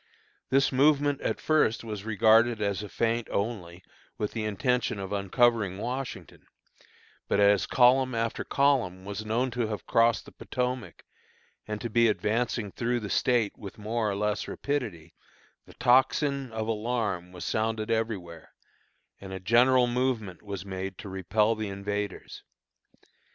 This movement at first was regarded as a feint only, with the intention of uncovering Washington; but as column after column was known to have crossed the Potomac, and to be advancing through the State with more or less rapidity, the tocsin of alarm was sounded everywhere, and a general movement was made to repel the invaders.